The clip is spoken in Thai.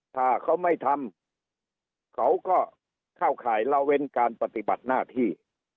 ถ้าเขาไม่ทำเขาก็เข้าข่ายละเว้นการปฏิบัติหน้าที่